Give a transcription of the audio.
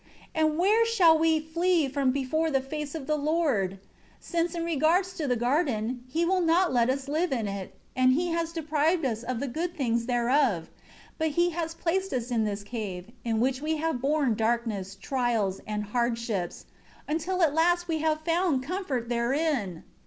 And where shall we flee from before the face of the Lord? Since, in regards to the garden, He will not let us live in it, and He has deprived us of the good things thereof; but He has placed us in this cave, in which we have borne darkness, trials and hardships, until at last we have found comfort therein.